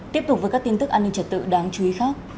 tiếp tục với các tin tức an ninh trật tự đáng chú ý khác